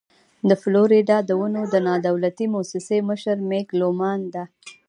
د فلوريډا د ونو د نادولتي مؤسسې مشره مېګ لومان ده.